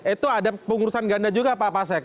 itu ada pengurusan ganda juga pak pasek